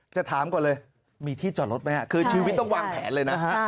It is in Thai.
จะถามก่อนเลยมีที่จอดรถไหมคือชีวิตต้องวางแผนเลยนะ